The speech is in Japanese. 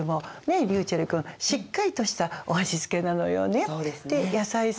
ねっりゅうちぇる君しっかりとしたお味付けなのよね。